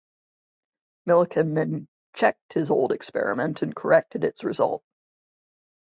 Millikan then checked his old experiment and corrected its result.